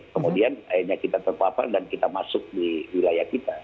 kemudian akhirnya kita terpapar dan kita masuk di wilayah kita